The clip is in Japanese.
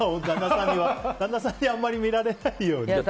旦那さんにあまり見られないように。